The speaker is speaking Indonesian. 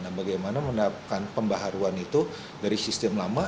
nah bagaimana menerapkan pembaharuan itu dari sistem lama